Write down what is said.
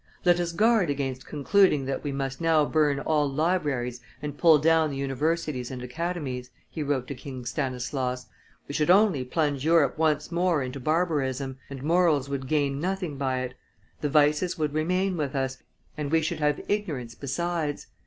"Let us guard against concluding that we must now burn all libraries and pull down the universities and academies," he wrote to King Stanislaus: "we should only plunge Europe once more into barbarism, and morals would gain nothing by it. The vices would remain with us, and we should have ignorance besides.